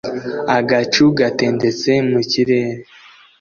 agacu gatendetse mu kirere